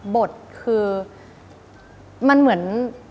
บทคือมันเหมือน